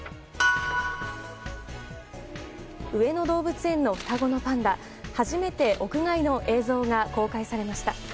上野動物園の双子のパンダ初めて屋外の映像が公開されました。